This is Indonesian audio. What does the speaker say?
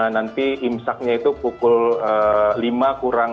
nanti imsaknya itu pukul lima kurang lima belas